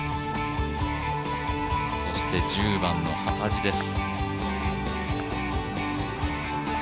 そして１０番の幡地です。